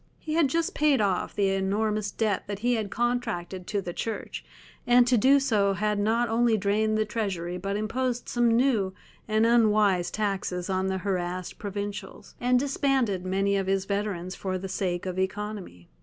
He had just paid off the enormous debt that he had contracted to the Church, and to do so had not only drained the treasury but imposed some new and unwise taxes on the harassed provincials, and disbanded many of his veterans for the sake of economy.